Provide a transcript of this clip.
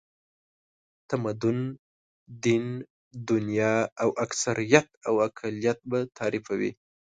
تمدن، دین، دنیا او اکثریت او اقلیت به تعریفوي.